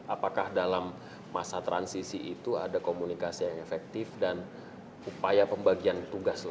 apakah dalam masa transisi itu ada komunikasi yang efektif dan upaya pembagian tugas